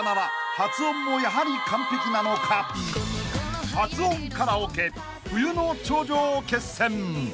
［発音カラオケ冬の頂上決戦］